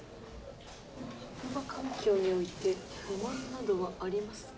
「職場環境において不満などはありますか？」